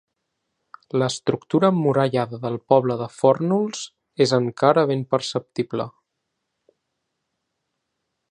L'estructura emmurallada del poble de Fórnols és encara ben perceptible.